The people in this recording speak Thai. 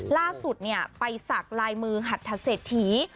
ล่าสุดเนี่ยไปสักลายมือหัดทะเศษถี